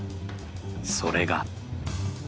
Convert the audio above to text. それが。